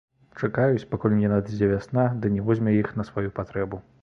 Чакаюць, пакуль не надыдзе вясна ды не возьме іх на сваю патрэбу.